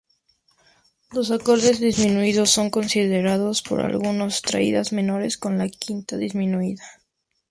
Los acordes disminuidos son considerados por algunos, tríadas menores con la quinta disminuida..